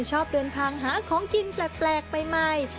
ชอบเดินทางหาของกินแปลกใหม่